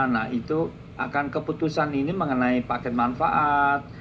nah itu akan keputusan ini mengenai paket manfaat